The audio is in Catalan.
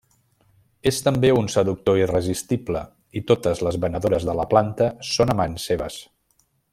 És també un seductor irresistible i totes les venedores de la planta són amants seves.